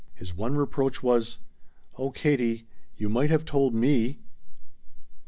His one reproach was "Oh Katie you might have told me!"